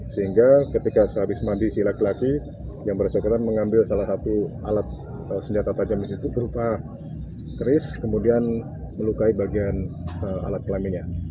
sehingga ketika sehabis mandi si laki laki yang bersangkutan mengambil salah satu alat senjata tajam di situ berupa keris kemudian melukai bagian alat kelaminnya